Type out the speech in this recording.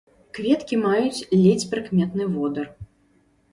Кветкі маюць ледзь прыкметны водар.